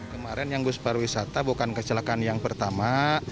kemarin yang bus para wisata bukan kecelakaan yang pertama